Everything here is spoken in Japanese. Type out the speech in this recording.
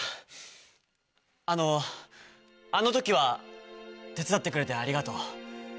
あのあの時は手伝ってくれてありがとう。